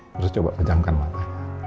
terus coba pejamkan mata